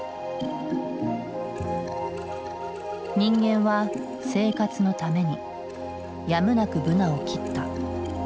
人間は生活のためにやむなくブナを切った。